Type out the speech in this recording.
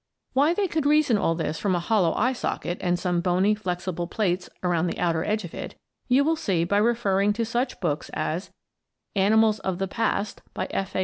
Why they could reason all this from a hollow eye socket and some bony, flexible plates around the outer edge of it, you will see by referring to such books as "Animals of the Past," by F. A.